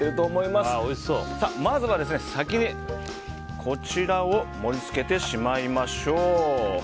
まずは先に、こちらを盛り付けてしまいましょう。